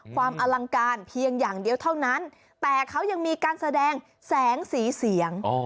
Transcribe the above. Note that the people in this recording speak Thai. ความอลังการเพียงอย่างเดียวเท่านั้นแต่เขายังมีการแสดงแสงสีเสียง